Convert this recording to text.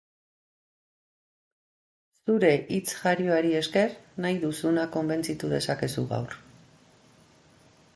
Zure hitz jarioari esker, nahi duzuna konbentzitu dezakezu gaur.